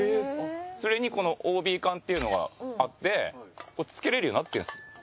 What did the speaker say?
それにこのＯＤ缶っていうのがあってこれつけられるようになってるんです。